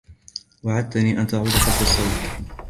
وعدتني أن تعود قبل الصيف.